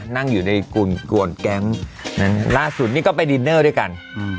นั่งอยู่ในกวนแก๊งล่าสุดนี่ก็ไปดินเนอร์ด้วยกัน